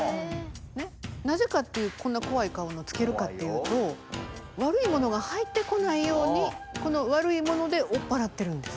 なぜかってこんなこわい顔のつけるかっていうと悪いものが入ってこないようにこの悪いものでおっぱらってるんです。